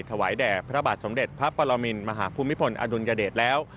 ถวายแด่พระบาทสมเด็จพระปรมินมหาภูมิพลอดุลยเดชแล้ว